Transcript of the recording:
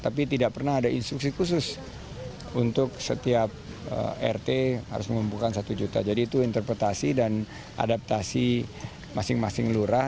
tapi tidak pernah ada instruksi khusus untuk setiap rt harus mengumpulkan satu juta jadi itu interpretasi dan adaptasi masing masing lurah